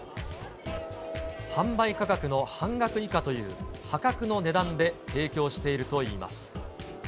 販売価格の半額以下という破格の値段で提供しているといいます。